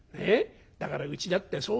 だからうちだってそうだよ。